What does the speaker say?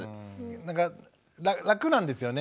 なんか楽なんですよね。